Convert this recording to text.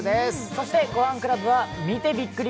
そして「ごはんクラブ」は、見てびっくり！